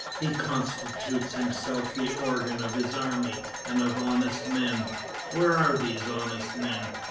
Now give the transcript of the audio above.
He constitutes himself the organ of his army and of honest men. Where are these honest men?